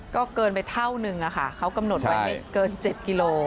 ก็เกินไปเท่านึงอะค่ะเขากำหนดไว้ไม่เกิน๗กิโล